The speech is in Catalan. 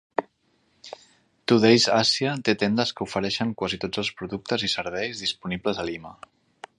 Today's Asia té tendes que ofereixen quasi tots els productes i serveis disponibles a Lima.